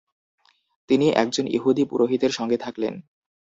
তিনি একজন ইহুদি পুরোহিতের সঙ্গে থাকলেন।